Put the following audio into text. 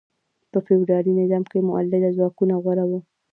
په فیوډالي نظام کې مؤلده ځواکونه غوره وو.